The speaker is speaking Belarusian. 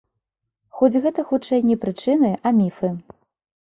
Хоць гэта, хутчэй, не прычыны, а міфы.